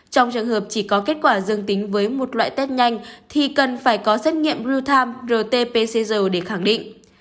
trong trường hợp chỉ có kết quả dương tính với một loại test nhanh thì cần phải có xét nghiệm real time rt pcr để khẳng định